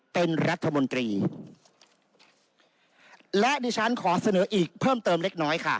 เป็นรัฐมนตรีและดิฉันขอเสนออีกเพิ่มเติมเล็กน้อยค่ะ